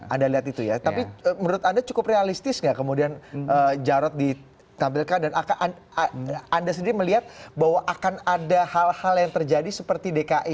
anda lihat itu ya tapi menurut anda cukup realistis nggak kemudian jarod ditampilkan dan anda sendiri melihat bahwa akan ada hal hal yang terjadi seperti dki